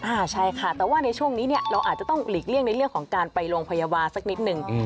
ใช่ค่ะแต่ว่าในช่วงนี้เนี่ยเราอาจจะต้องหลีกเลี่ยงในเรื่องของการไปโรงพยาบาลสักนิดนึง